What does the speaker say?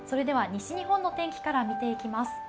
西日本の天気から見ていきます。